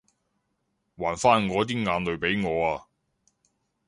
還返我啲眼淚畀我啊